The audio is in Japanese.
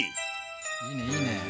いいねいいね！